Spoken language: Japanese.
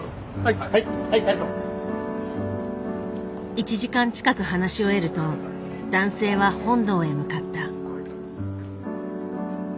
１時間近く話し終えると男性は本堂へ向かった。